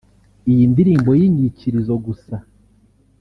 Iyi ndirimbo y’inyikirizo gusa